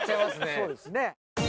そうですね。